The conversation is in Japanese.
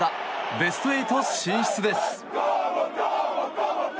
ベスト８進出です。